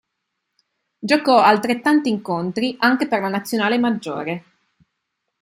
Giocò altrettanti incontri anche per la Nazionale maggiore.